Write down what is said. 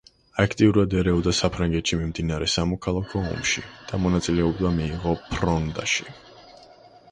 აქტიურად ერეოდა საფრანგეთში მიმდინარე სამოქალაქო ომში და მონაწილეობა მიიღო ფრონდაში.